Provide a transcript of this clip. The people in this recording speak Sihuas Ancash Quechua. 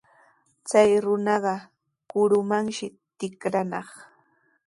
Chay runaqa kurumanshi tikranaq.